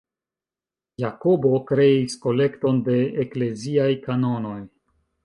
Jakobo kreis "kolekton de ekleziaj kanonoj".